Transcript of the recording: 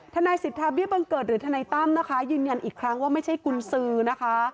ทนายสิทธาเบี้ยบังเกิดหรือทนายตั้มนะคะยืนยันอีกครั้งว่าไม่ใช่กุญสือนะคะ